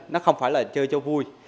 nó không phải là chơi cho vui